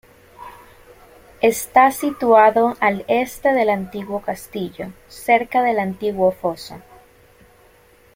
Está situado al este del antiguo castillo, cerca del antiguo foso.